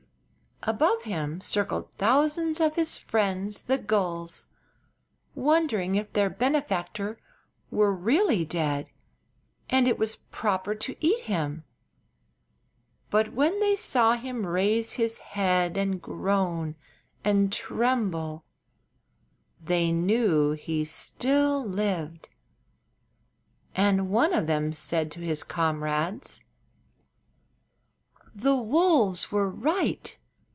Above him circled thousands of his friends the gulls, wondering if their benefactor were really dead and it was proper to eat him. But when they saw him raise his head and groan and tremble they knew he still lived, and one of them said to his comrades: "The wolves were right.